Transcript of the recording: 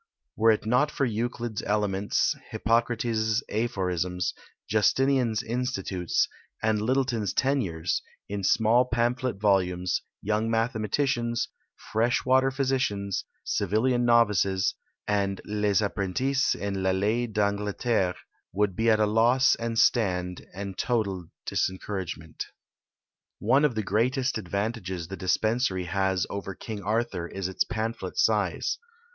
Were it not for Euclid's Elements, Hippocrates' Aphorisms, Justinian's Institutes, and Littleton's Tenures, in small pamphlet volumes, young mathematicians, fresh water physicians, civilian novices, and les apprentices en la ley d'Angleterre, would be at a loss and stand, and total disencouragement. One of the greatest advantages the Dispensary has over King Arthur is its pamphlet size.